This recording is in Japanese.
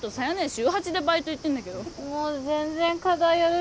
週８でバイト行ってんだけどもう全然課題やる